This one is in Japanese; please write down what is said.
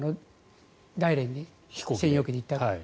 大連に専用機で行った。